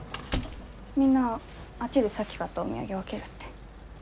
みんなあっちでさっき買ったお土産分けるって。